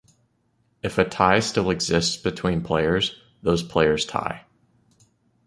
If a tie still exists between players, those players tie.